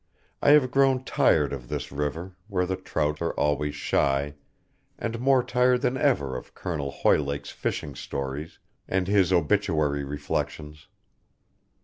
I have grown tired of this river, where the trout are always shy, and more tired than ever of Colonel Hoylake's fishing stories and his obituary reflections.